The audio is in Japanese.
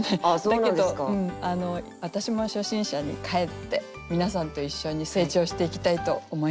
だけど私も初心者に返って皆さんと一緒に成長していきたいと思います。